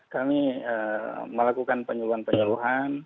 kami melakukan penyeluhan penyeluhan